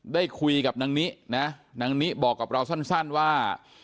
ได้คุยกับนางนินะนางนิบอกกับเราสั้นว่า